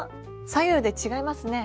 左右で違いますね。